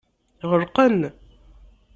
Ɣelqen.